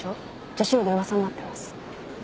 女子寮で噂になってます。